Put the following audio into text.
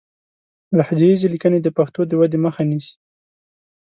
لهجه ييزې ليکنې د پښتو د ودې مخه نيسي